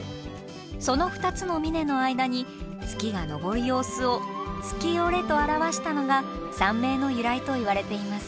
その２つの峰の間に月が昇る様子を「月居」と表したのが山名の由来といわれています。